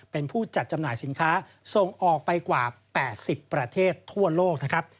เป็นผู้จัดจำหน่ายสินค้าส่งออกไปกว่า๘๐ประเทศทั่วโลกนะครับ